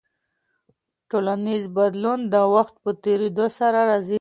ټولنیز بدلون د وخت په تیریدو سره راځي.